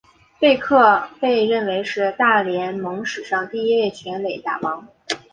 贝克被认为是大联盟史上第一位全垒打王。